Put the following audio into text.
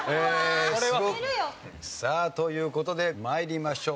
さあという事で参りましょう。